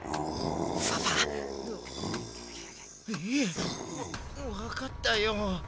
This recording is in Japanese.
わかったよ。